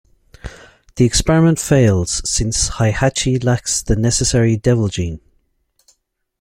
The experiment fails, since Heihachi lacks the necessary Devil gene.